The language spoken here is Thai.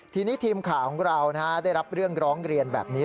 ทีนี้ทีมข่าวของเราได้รับเรื่องร้องเรียนแบบนี้